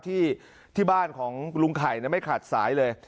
ที่บ้านของลุงไข่ไม่ขาดสายเลย